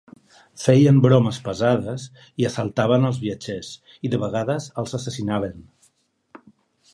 Feien bromes pesades i assaltaven els viatgers i de vegades els assassinaven.